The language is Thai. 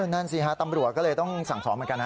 นั่นสิฮะตำรวจก็เลยต้องสั่งสอนเหมือนกันฮะ